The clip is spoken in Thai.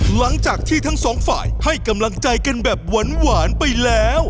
หลังจากที่ทั้งสองฝ่ายให้กำลังใจกันแบบหวานไปแล้ว